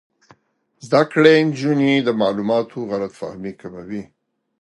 زده کړې نجونې د معلوماتو غلط فهمۍ کموي.